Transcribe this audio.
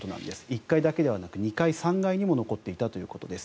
１階だけではなく２階、３階にも残っていたということです。